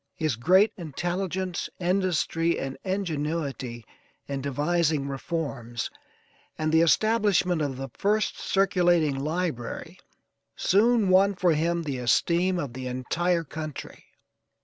His great intelligence, industry and ingenuity in devising reforms, and the establishment of the first circulating library, soon won for him the esteem of the entire country.